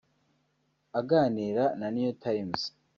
Aganira na Newtimes